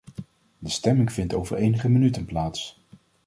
De stemming vindt over enige minuten plaats.